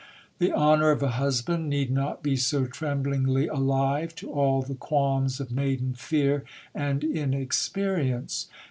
The honour of a husband need not be so tremblingly alive to all the qualms of maiden fear and inexperi ence.